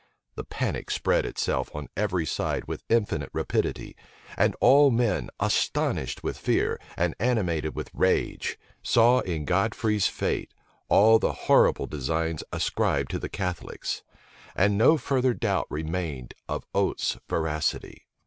The panic spread itself on every side with infinite rapidity; and all men, astonished with fear, and animated with rage, saw in Godfrey's fate all the horrible designs ascribed to the Catholics: and no further doubt remained of Oates's veracity.